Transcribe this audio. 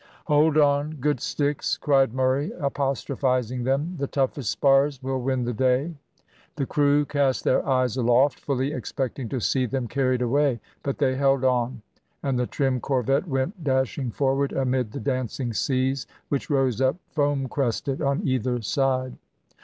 "Hold on, good sticks!" cried Murray, apostrophising them, "the toughest spars will win the day." The crew cast their eyes aloft, fully expecting to see them carried away, but they held on, and the trim corvette went dashing forward amid the dancing seas, which rose up, foam crested, on either side.